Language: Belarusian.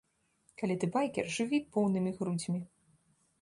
Калі ты байкер, жыві поўнымі грудзьмі!